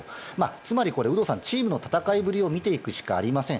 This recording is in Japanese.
つまり、有働さんチームの戦いぶりを見ていくしかありません。